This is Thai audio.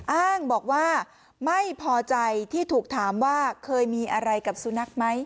อ้างบอกว่าไม่พอใจที่ถูกถามว่าเคยมีอะไรกับสุนัขไหม